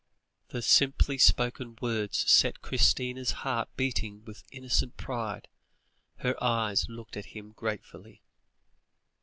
The simply spoken words set Christina's heart beating with innocent pride; her eyes looked at him gratefully.